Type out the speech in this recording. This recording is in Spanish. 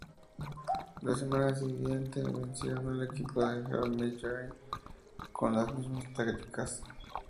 La semana siguiente vencieron al equipo de Heavy Machinery con las mismas tácticas.